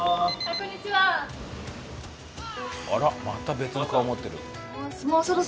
あらまた別の顔を持ってる。